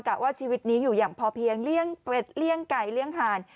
ว่าชีวิตนี้อยู่อย่างพอเพียงเลี่ยงเป็ดเลี่ยงไก่เลี่ยงหาน